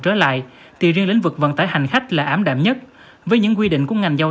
trở lại thì riêng lĩnh vực vận tải hành khách là ảm đạm nhất với những quy định của ngành giao